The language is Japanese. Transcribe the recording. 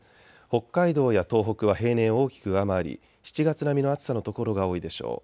北海道や東北は平年を大きく上回り、７月並みの暑さの所が多いでしょう。